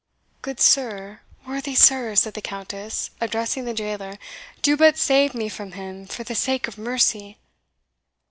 "Good sir, worthy sir!" said the Countess, addressing the jailer, "do but save me from him, for the sake of mercy!"